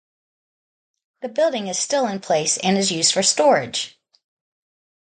The building is still in place and is used for storage.